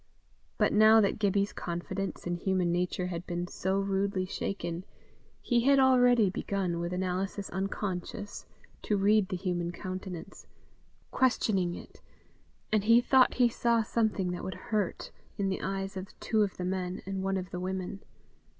But now that Gibbie's confidence in human nature had been so rudely shaken, he had already begun, with analysis unconscious, to read the human countenance, questioning it; and he thought he saw something that would hurt, in the eyes of two of the men and one of the women.